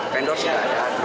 vendor sudah ada